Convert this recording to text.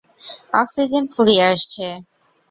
Oxygen ফুরিয়ে আসছে!